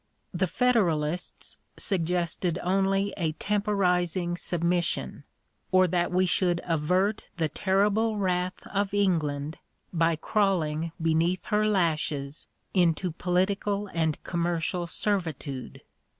The Federalists suggested only a temporizing submission, or that we should avert the terrible wrath of England by crawling beneath her lashes into political and commercial servitude.